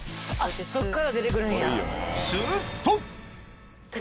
そっから出て来るんや！